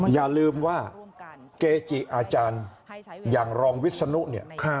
อย่าลืมว่าเกจิอาจารย์อย่างรองวิศนุเนี่ย